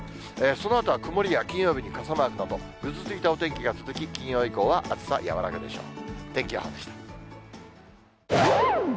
そのあとは曇りや、金曜日に傘マークなど、ぐずついたお天気が続き、金曜日以降は暑さ和らぐでしょう。